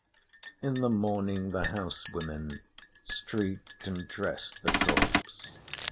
In the morning the house women streaked and dressed the corpse.